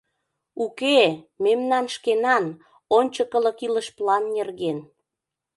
Уке-э, мемнан шкенан, ончыкылык илыш план нерген.